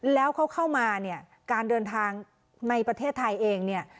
แล้วเขาเข้ามาเนี่ยการเดินทางในประเทศไทยเองเนี่ย